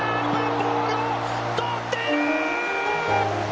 ボールを捕っている！！